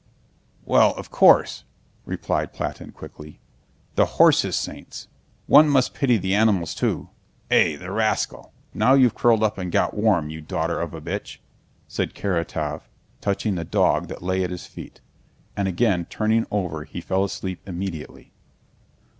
"Well, of course," replied Platón quickly, "the horses' saints. One must pity the animals too. Eh, the rascal! Now you've curled up and got warm, you daughter of a bitch!" said Karatáev, touching the dog that lay at his feet, and again turning over he fell asleep immediately.